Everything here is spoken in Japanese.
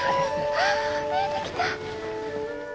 あ見えてきた！